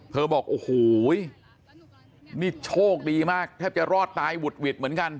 บอกโอ้โหนี่โชคดีมากแทบจะรอดตายหุดหวิดเหมือนกัน